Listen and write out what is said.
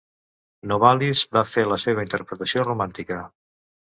Novalis va fer la seva interpretació romàntica.